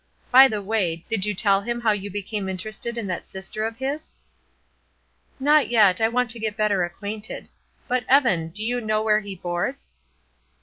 By the way, did you tell him how you became interested in that sister of his?" "Not yet; I want to get better acquainted. But, Evan, do you know where he boards?"